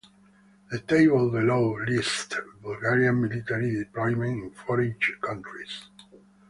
The table below lists Bulgarian military deployments in foreign countries.